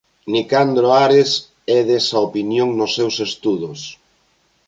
Nicandro Ares é desa opinión nos seus estudos.